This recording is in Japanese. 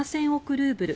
ルーブル